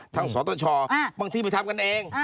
ทางสรต้นช่อบางทีไปทำกันเอง